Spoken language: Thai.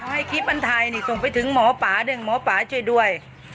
ให้คลิปมันไทยนี่ส่งไปถึงหมอป่าด้วยหมอป่าช่วยด้วย